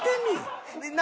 何？